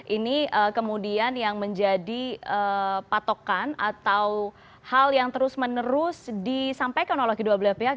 ini kemudian yang menjadi patokan atau hal yang terus menerus disampaikan oleh kedua belah pihak